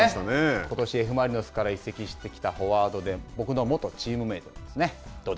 ことしＦ・マリノスから移籍してきたフォワードで、僕の元チームメートですね。